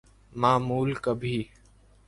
معمول کبھی ‘‘۔